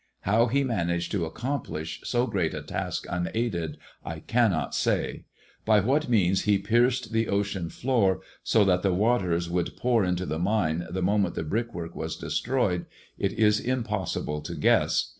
How he managed to aooomplish so great a task unaided I cannot say ; by what means he pierced the ocean floor so that the waters should ponr'into the mine the moment the brickwork was destroyed, it is impossible to guess.